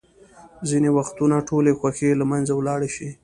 ځینې وختونه ټولې خوښۍ له منځه ولاړې شي.